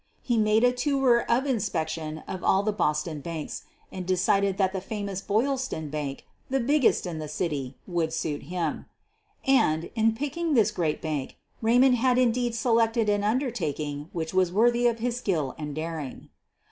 He made a tour of inspection of all the Boston banks, and decided that the famous Boylston Bank, the biggest in the city, would suit him. And, in picking this great bank, Raymond hac QUEEN OF THE BURGLARS 43 indeed selected an undertaking which was worthy of his skill and daring.